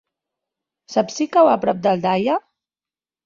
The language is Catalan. Saps si cau a prop d'Aldaia?